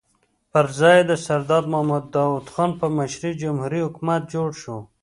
پر ځای یې د سردار محمد داؤد خان په مشرۍ جمهوري حکومت جوړ شو.